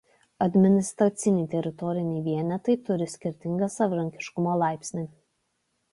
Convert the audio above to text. Administraciniai teritoriniai vienetai turi skirtingą savarankiškumo laipsnį.